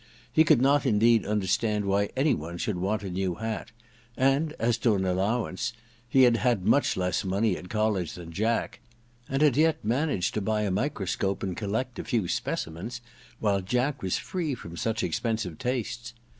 He could not indeed understand why any one should want a new hat ; and as to an allowance, he had had much less money at college than Jack, and had yet managed to buy a microscope and collect a few * specimens *; while Jack was free from such expensive tastes